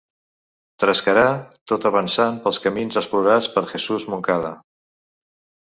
Trescarà tot avançant pels camins explorats per Jesús Moncada.